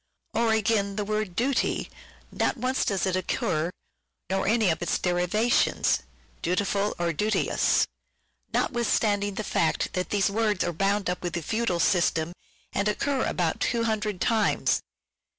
Or, again, the word "duty," not once does it occur, nor any of its derivations, " dutiful " or " duteous," notwithstanding the fact that these words are bound up with the Feudal System, and occur about 200 times.